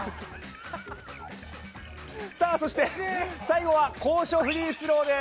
そして最後は高所フリースローです。